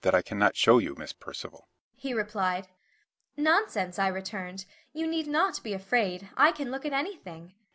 "Something that I cannot show you, Miss Percival," he replied. "Nonsense," I returned. "You need not be afraid, I can look at anything."